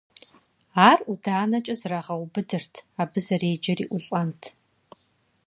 Ар ӀуданэкӀэ зэрагъэубыдырт, абы зэреджэри ӏулӏэнт.